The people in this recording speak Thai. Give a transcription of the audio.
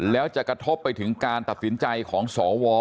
แล้วจะกระทบไปถึงการตัดสินใจของสว